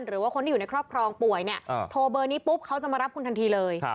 หรือว่าคนที่อยู่ในครอบครองป่วยเนี่ยโทรเบอร์นี้ปุ๊บเขาจะมารับคุณทันทีเลย